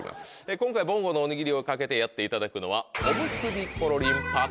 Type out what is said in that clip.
今回ぼんごのおにぎりを懸けてやっていただくのは。